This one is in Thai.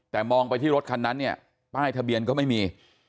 แต่มองไปที่รถคันนั้นเนี่ยป้ายทะเบียนก็ไม่มี